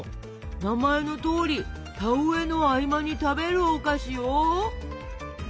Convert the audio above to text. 名前のとおり田植えの合間に食べるお菓子よ。